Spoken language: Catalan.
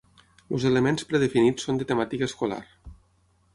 Els elements predefinits són de temàtica escolar.